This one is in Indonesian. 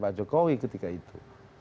pak jokowi ketika itu